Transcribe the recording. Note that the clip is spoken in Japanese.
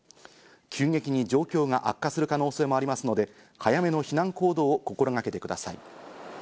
急激に状況が悪化する可能性もありますので、早めの避難行動を心がけてください。